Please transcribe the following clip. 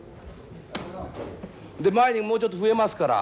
前にもうちょっと増えますから。